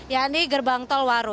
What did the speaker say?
ya ini gerbang tol waru